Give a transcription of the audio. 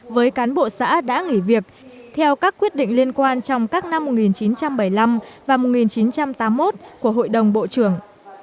với cán bộ xã đã nghỉ việc theo các quyết định liên quan trong các năm một nghìn chín trăm bảy mươi năm và một nghìn chín trăm tám mươi một của hội đồng bộ trưởng